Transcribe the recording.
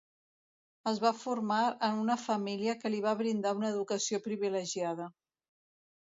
Es va formar en una família que li va brindar una educació privilegiada.